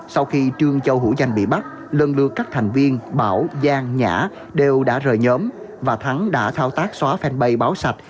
sau khi trương châu hữu danh bị bắt lần lượt các thành viên bảo giang nhã đều đã rời nhóm và thắng đã thao tác xóa fanpage báo sạch